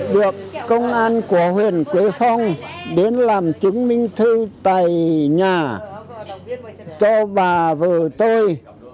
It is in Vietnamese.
được công an của huyện quế phong đến làm chứng minh thư tại nhà cho bà vợ tôi